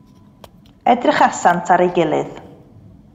Edrychasant ar ei gilydd.